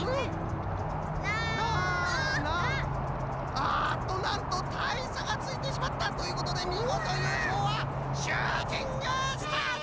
ああっとなんとたいさがついてしまった！ということでみごとゆうしょうはシューティングスターズ！